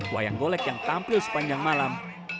wayang golek yang tampil sepanjang malam